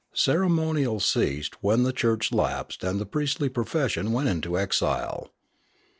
Ceremonial ceased when the church lapsed and the priestly profession went into exile.